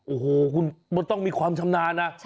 โอ้โหคุณมันต้องมีความชำนาญนะ